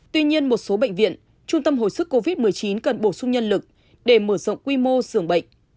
tuy nhiên một số bệnh viện trung tâm hồi sức covid một mươi chín cần bổ sung nhân lực để mở rộng quy mô sưởng bệnh